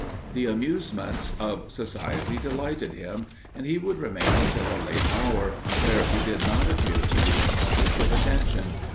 The amusements of society delighted him; and he would remain until a late hour, where he did not appear to be an object of attention.